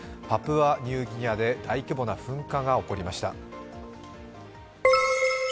パプアニューギニアで大規模な噴火が起こりました。